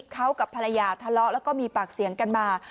เขากับภรรยาทะเลาะแล้วก็มีปากเสียงกันมา